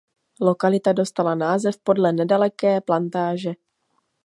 Lokalita dostala název podle nedaleké plantáže.